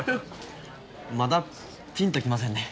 まだピンときませんね。